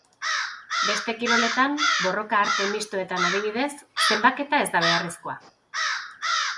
Beste kiroletan, borroka-arte mistoetan adibidez, zenbaketa ez da beharrezkoa.